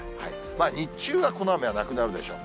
日中はこの雨はなくなるでしょう。